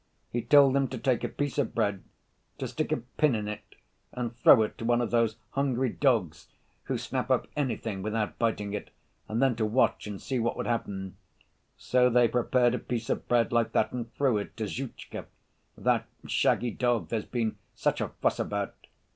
He told him to take a piece of bread, to stick a pin in it, and throw it to one of those hungry dogs who snap up anything without biting it, and then to watch and see what would happen. So they prepared a piece of bread like that and threw it to Zhutchka, that shaggy dog there's been such a fuss about.